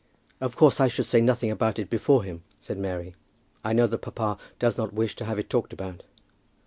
"Of course I should say nothing about it before him," said Mary. "I know that papa does not wish to have it talked about.